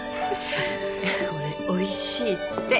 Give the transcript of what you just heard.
これおいしいって。